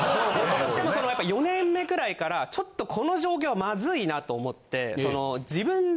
でもそのやっぱ４年目くらいからちょっとこの状況はまずいなと思って。